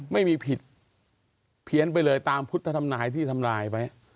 ไม่มีผิดเพี้ยนไปเลยตามพุทธธรรมนายที่ทำลายไว้